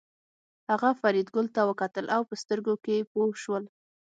هغه فریدګل ته وکتل او په سترګو کې پوه شول